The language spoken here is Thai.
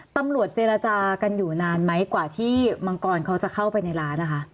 ตำรวจเจรจากันอยู่นานไหมกว่าที่มังกรเขาจะเข้าไปในร้านนะคะ